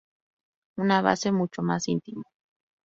Una base mucho más íntimo.